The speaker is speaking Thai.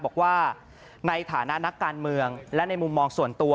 บอกว่าในฐานะนักการเมืองและในมุมมองส่วนตัว